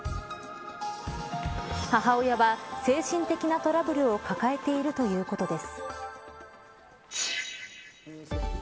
母親は精神的なトラブルを抱えているということです。